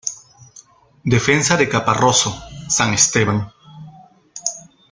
Defensa de Caparroso, San Esteban.